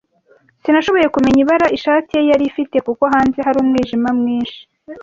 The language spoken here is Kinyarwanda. Sinashoboye kumenya ibara ishati ye yari ifite kuko hanze hari umwijima mwinshi. t.